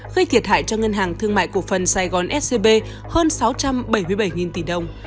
gây thiệt hại cho ngân hàng thương mại cổ phần sài gòn scb hơn sáu trăm bảy mươi bảy tỷ đồng